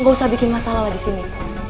gak usah bikin masalah lah disini